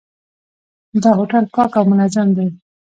دا هوټل پاک او منظم دی.